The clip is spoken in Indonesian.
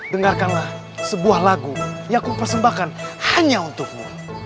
dengarkanlah sebuah lagu yang kupersembahkan hanya untukmu